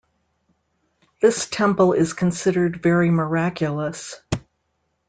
This temple is considered very miraculous.